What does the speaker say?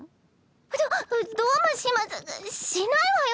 ちょっどうもしませしないわよ！